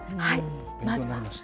勉強になりました。